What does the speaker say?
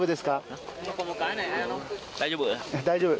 大丈夫。